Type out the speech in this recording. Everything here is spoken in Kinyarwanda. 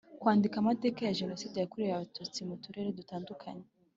Kwandika amateka ya Jenoside yakorewe Abatutsi mu Turere dutandukanye